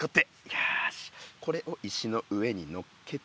よしこれを石の上にのっけてと。